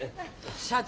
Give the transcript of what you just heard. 社長。